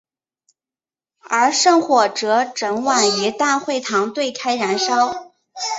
而圣火则整晚于大会堂对开燃烧。